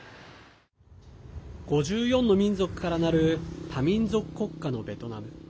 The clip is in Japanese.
５４の民族からなる多民族国家のベトナム。